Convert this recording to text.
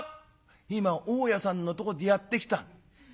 「今大家さんのとこでやってきた」。